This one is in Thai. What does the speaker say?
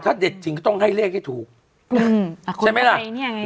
แต่ถ้าเด็ดถึงก็ต้องให้เลขให้ถูกอืมใช่มั้ยล่ะอาคุณพัดไรเนี่ย